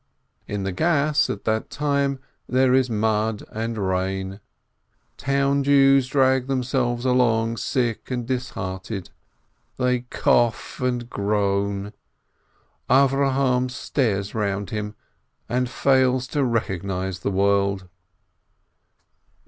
In the Gass, at that time, there is mud and rain. Town Jews drag themselves along sick and disheartened. They cough and groan. Avrohom stares round him, and fails to recognize the world.